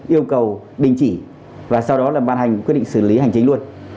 yêu cầu bình chỉ và sau đó là bàn hành quyết định xử lý hành chính luôn